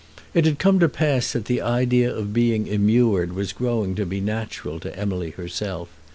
It had come to pass that the idea of being immured was growing to be natural to Emily herself.